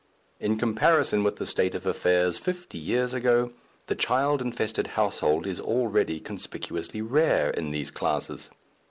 In comparison with the state of affairs fifty years ago, the child infested household is already conspicuously rare in these classes.